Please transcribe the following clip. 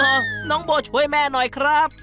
น้องโบช่วยแม่หน่อยครับ